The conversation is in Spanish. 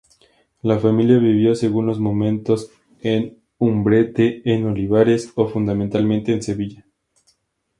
La familia vivió, según los momentos, en Umbrete, en Olivares o, fundamentalmente, en Sevilla.